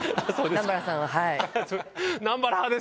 南原さんは。